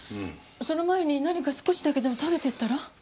その前に何か少しだけでも食べていったら？